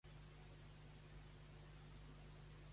Al sud, la cota inferior formava els Aiguamolls de Hornchurch.